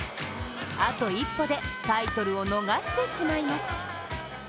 あと一歩でタイトルを逃してしまいます。